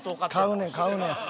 買うねん買うねん。